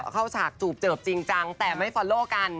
ฉากจูบเจิบจริงจังแต่ไม่ฟอลโลกัน